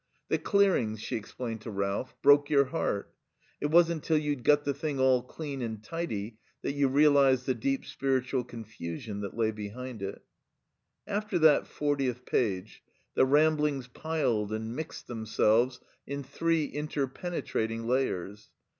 The clearings, she explained to Ralph, broke your heart. It wasn't till you'd got the thing all clean and tidy that you realized the deep spiritual confusion that lay behind it. After that fortieth page the Ramblings piled and mixed themselves in three interpenetrating layers.